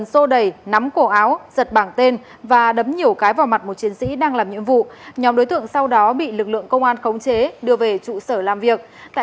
xin chào các bạn